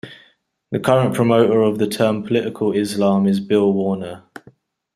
The current promoter of the term Political Islam is Bill Warner.